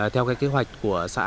theo cái kế hoạch của xã